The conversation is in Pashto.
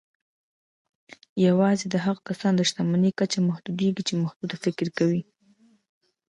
يوازې د هغو کسانو د شتمني کچه محدودېږي چې محدود فکر کوي.